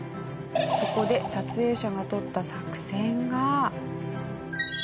そこで撮影者が取った作戦が。